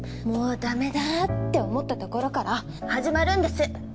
もうだめだって思ったところから始まるんです。